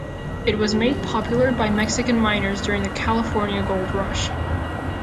It was made popular by Mexican miners during the California Gold Rush.